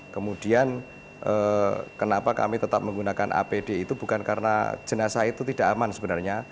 kemudian kenapa kami tetap menggunakan apd itu bukan karena jenazah itu tidak aman sebenarnya